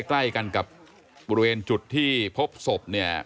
ใกล้กันกับบริเวณจุดที่พบศพเนี่ย